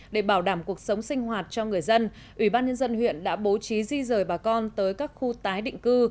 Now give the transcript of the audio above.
để bảo đảm cuộc sống sinh hoạt cho người dân ubnd huyện đã bố trí di rời bà con tới các khu tái định cư